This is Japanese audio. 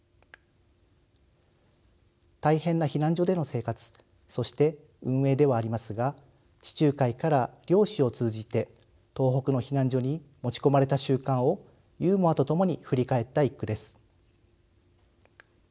大変な避難所での生活そして運営ではありますが地中海から漁師を通じて東北の避難所に持ち込まれた習慣をユーモアと共に振り返った一句です。